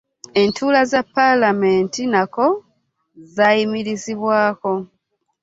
entuula za paalamenti nako zaayimirizibwako